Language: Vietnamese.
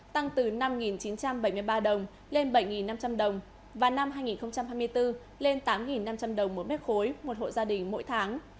tăng từ năm chín trăm bảy mươi ba đồng lên bảy năm trăm linh đồng và năm hai nghìn hai mươi bốn lên tám năm trăm linh đồng một mét khối một hộ gia đình mỗi tháng